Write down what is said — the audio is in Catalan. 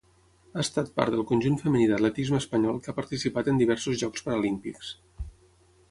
Ha estat part del conjunt femení d'atletisme espanyol que ha participat en diversos Jocs Paralímpics.